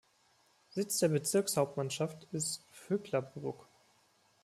Sitz der Bezirkshauptmannschaft ist Vöcklabruck.